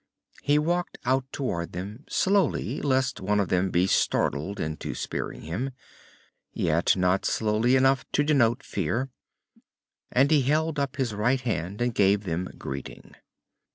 He walked out toward them, slowly lest one of them be startled into spearing him, yet not slowly enough to denote fear. And he held up his right hand and gave them greeting.